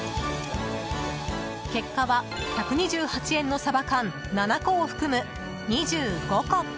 結果は１２８円のサバ缶７個を含む２５個。